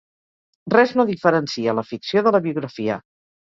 Res no diferencia la ficció de la biografia.